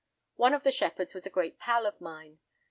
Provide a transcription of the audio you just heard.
One of the shepherds was a great pal of mine.